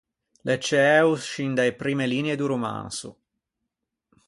L’é ciæo scin da-e primme linie do romanso.